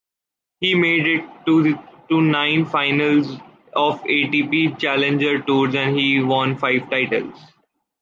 He made it to nine finals of ATP Challenger Tours, and he won five titles.